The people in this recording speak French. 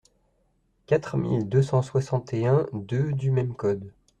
quatre mille deux cent soixante et un-deux du même code.